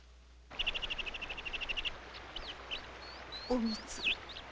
おみつ。